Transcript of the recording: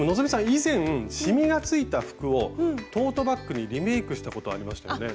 以前しみがついた服をトートバッグにリメークしたことありましたよね？